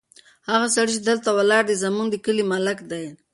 هغه سړی چې دلته ولاړ دی، زموږ د کلي ملک دی.